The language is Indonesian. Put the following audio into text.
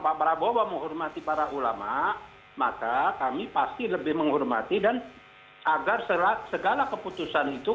pak prabowo menghormati para ulama maka kami pasti lebih menghormati dan agar segala keputusan itu